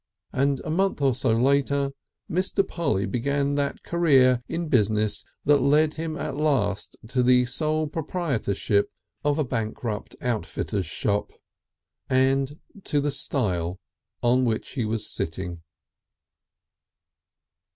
And a month or so later Mr. Polly began that career in business that led him at last to the sole proprietorship of a bankrupt outfitter's shop and to the stile on which he was sitting.